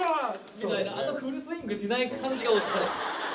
みたいなあのフルスイングしない感じがおしゃれ。